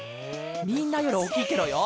みんなよりおおきいケロよ。